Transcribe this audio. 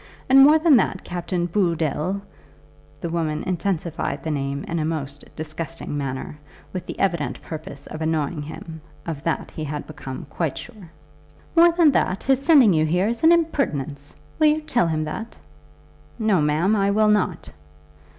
And, more than that, Captain Booddle" the woman intensified the name in a most disgusting manner, with the evident purpose of annoying him; of that he had become quite sure "more than that, his sending you here is an impertinence. Will you tell him that?" "No, ma'am, I will not."